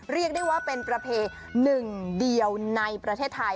เรียกได้ว่าเป็นประเพณีหนึ่งเดียวในประเทศไทย